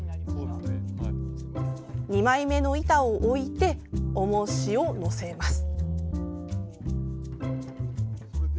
２枚目の板を置いて重しを載せます。